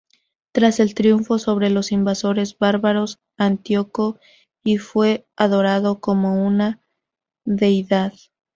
Tras el triunfo sobre los invasores bárbaros, Antíoco I fue adorado como una deidad.